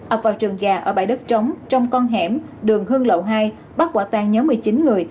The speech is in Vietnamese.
ập vào trường gà ở bãi đất trống trong con hẻm đường hương lậu hai bắt quả tan nhóm một mươi chín người